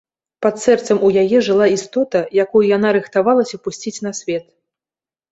Пад сэрцам у яе жыла істота, якую яна рыхтавалася пусціць на свет.